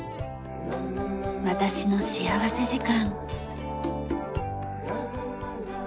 『私の幸福時間』。